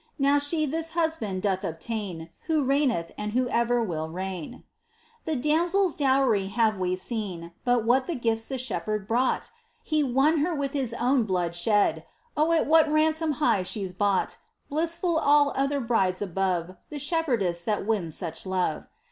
Now she this Husband doth obtain Who reigneth, and Who e'er will reign. The damsel's dowry have we seen. But what the gifts the Shepherd brought ? He won her with His own blood shed ! Oh ! at what ransom high she's bought ! Blissful all other brides above The shepherdess that wins such love